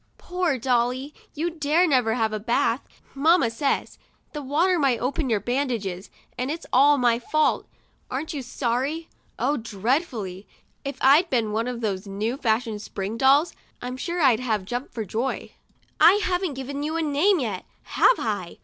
'* Poor Dolly ! You dare never have a bath, mamma says. The water might open your bandages, and it's all my fault. Aren't you sorry?" Oh, dreadfully! If I'd have been one of those new fashioned spring dolls, I'm sure I'd have jumped for joy. 83 THE DIARY OF A BIRTHDAY DOLL " I haven't given you a name yet, have I